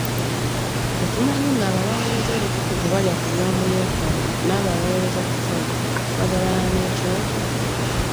Temumanyi ng'abo abaweereza ebitukuvu balya ku by'omu yeekaalu, n'abo abaweereza ku kyoto bagabana n'ekyoto?